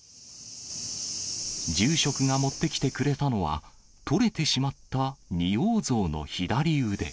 住職が持ってきてくれたのは、取れてしまった仁王像の左腕。